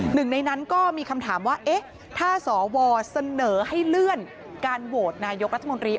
หนึ่งในนั้นก็มีคำถามว่าถ้าสวเสนอให้เลื่อนการโหวตนายกรัฐมนตรี